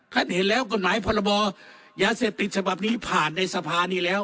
เห็นแล้วกฎหมายพรบยาเสพติดฉบับนี้ผ่านในสภานี้แล้ว